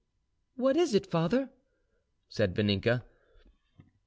"What is it, father?" said Vaninka.